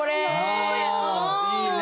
あいいね。